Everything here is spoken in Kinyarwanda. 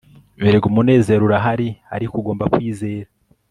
erega umunezero urahari - ariko ugomba kwizera